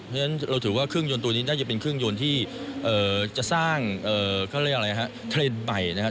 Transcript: เพราะฉะนั้นเราถือว่าเครื่องยนต์ตัวนี้น่าจะเป็นเครื่องยนต์ที่จะสร้างเขาเรียกอะไรฮะเทรนด์ใหม่นะครับ